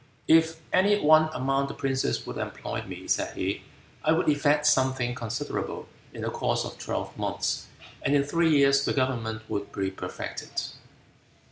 "If any one among the princes would employ me," said he, "I would effect something considerable in the course of twelve months, and in three years the government would be perfected."